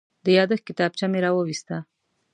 د یادښت کتابچه مې راوویسته.